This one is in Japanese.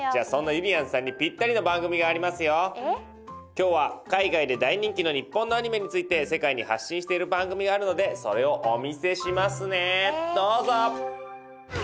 今日は海外で大人気の日本のアニメについて世界に発信している番組があるのでそれをお見せしますねどうぞ！